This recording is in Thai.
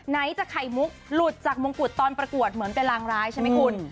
ไหนจะไข่มุกหลุดจากมงกุฎตอนประกวดเหมือนเป็นรางร้ายใช่ไหมคุณ